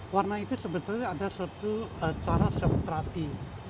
warna itu sebenarnya ada suatu cara seopterati